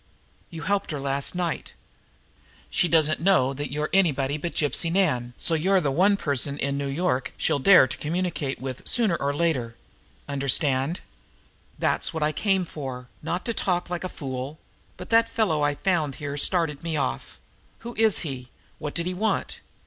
You helped her last night. She doesn't know you are anybody but Gypsy Nan, and so you're the one person in New York she'll dare try to communicate with sooner or later. Understand? That's what I came for, not to talk like a fool but that fellow I found here started me off. Who is he? What did he want?"